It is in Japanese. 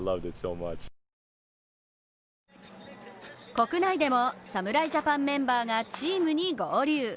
国内でも、侍ジャパンメンバーがチームに合流。